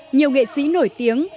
nhiều nghệ sĩ nổi tiếng